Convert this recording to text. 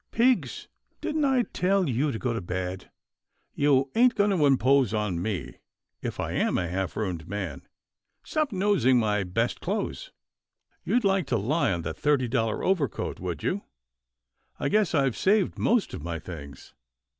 — Pigs, didn't I tell you to go to bed? You ain't going to impose on me, if I am a half ruined man — Stop nosing my best clothes. You'd like to lie on that thirty dollar overcoat, would you? — I guess I've saved most of my things.